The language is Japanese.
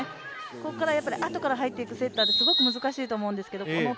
ここからあとから入っていくセッターって本当に難しいと思うんですけどノ